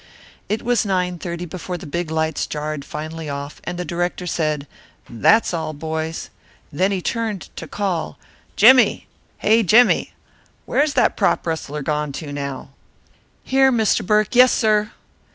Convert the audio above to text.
It was nine thirty before the big lights jarred finally off and the director said, "That's all, boys." Then he turned to call, "Jimmie! Hey, Jimmie! Where's that prop rustler gone to now?" "Here, Mr. Burke, yes, sir."